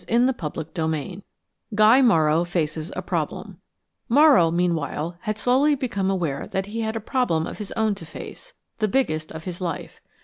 CHAPTER VIII GUY MORROW FACES A PROBLEM Morrow, meanwhile, had slowly become aware that he had a problem of his own to face, the biggest of his life.